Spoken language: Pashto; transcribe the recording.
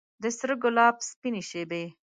د سره ګلاب سپینې شبۍ